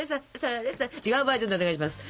違うバージョンでお願いします。